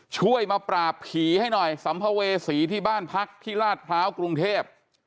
ช่วยมาปราบผีให้หน่อยสัมภเวษีที่บ้านพักที่ลาดพร้าวกรุงเทพ